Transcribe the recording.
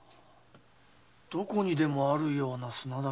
どこにでもあるような砂だけど？